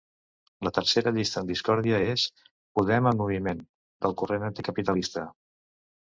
La tercera llista en discòrdia és ‘Podem en moviment’, del corrent anticapitalista.